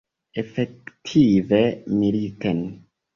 Efektive militen.